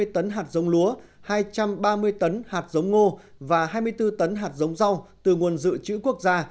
hai mươi tấn hạt giống lúa hai trăm ba mươi tấn hạt giống ngô và hai mươi bốn tấn hạt giống rau từ nguồn dự trữ quốc gia